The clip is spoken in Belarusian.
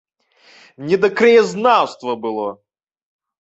Не да краязнаўства было!